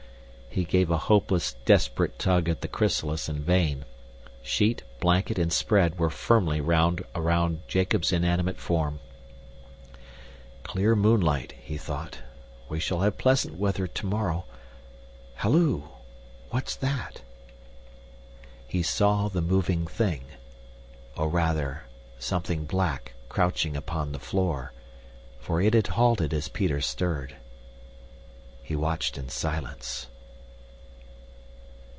He gave a hopeless, desperate tug at the chrysalis in vain. Sheet, blanket, and spread were firmly wound around Jacob's inanimate form. Clear moonlight, he thought. We shall have pleasant weather tomorrow. Halloo! What's that? He saw the moving thing, or rather something black crouching upon the floor, for it had halted as Peter stirred. He watched in silence.